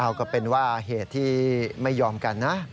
เอาก็เป็นว่าเหตุที่ไม่ยอมกันนะ